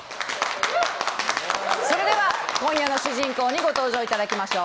それでは今夜の主人公にご登場いただきましょう。